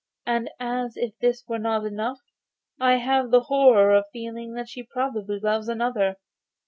And as if this were not enough, I have the horror of feeling that she probably loves another.